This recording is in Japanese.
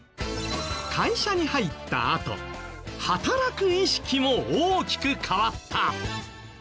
会社に入ったあと働く意識も大きく変わった。